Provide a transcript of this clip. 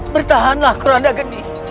bertahanlah kurangnya gendut